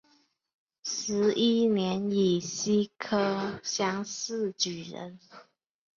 十一年乙酉科乡试举人。